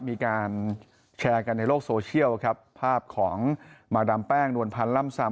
มีการแชร์กันในโลกโซเชียลครับภาพของมาดามแป้งนวลพันธ์ล่ำซำ